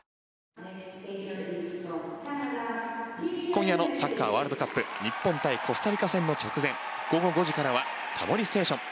今夜のサッカーワールドカップ日本対コスタリカ戦の直前午後５時からは「タモリステーション」。